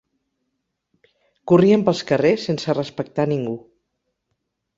Corrien pels carrers sense respectar ningú.